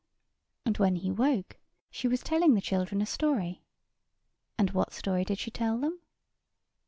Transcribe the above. And when he woke she was telling the children a story. And what story did she tell them?